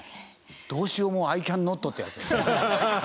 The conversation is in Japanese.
どうしようもアイキャンノットってやつだね。